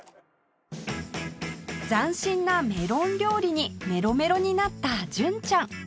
斬新なメロン料理にメロメロになった純ちゃん